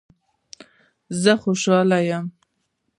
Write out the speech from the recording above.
زه خوشحاله یم